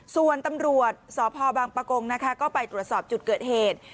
ส่วนตำรวจสพบางปะกงนะคะก็ไปตรวจสอบจุดเกิดเหตุ